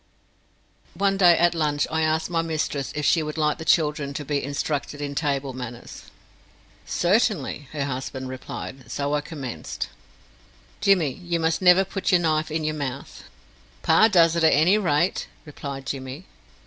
One day at lunch I asked my mistress if she would like the children to be instructed in table manners. "Certainly," her husband replied, so I commenced. "Jimmy, you must never put your knife in your mouth." "Pa does at any rate," replied Jimmy.